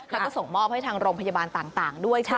เขาก็ส่งมอบให้ทางโรงพยาบาลต่างด้วย